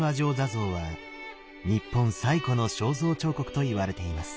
坐像は日本最古の肖像彫刻といわれています。